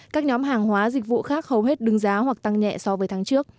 các nhóm hàng hóa dịch vụ khác hầu hết đứng giá hoặc tăng nhẹ so với tháng trước